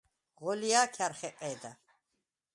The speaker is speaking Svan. ღოლჲა̄ქარ ხეყე̄და.